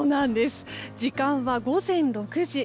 時間は午前６時。